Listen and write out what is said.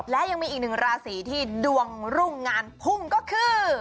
และยังมีอีกหนึ่งราศีที่ดวงรุ่งงานพุ่งก็คือ